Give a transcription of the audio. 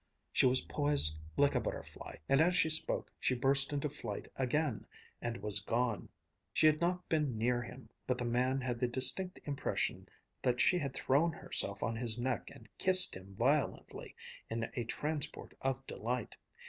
She was poised like a butterfly, and as she spoke she burst into flight again, and was gone. She had not been near him, but the man had the distinct impression that she had thrown herself on his neck and kissed him violently, in a transport of delight.